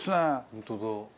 本当だ。